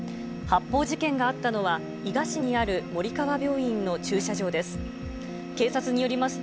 発砲事件があったのは、伊賀市にある森川病院の駐車場です。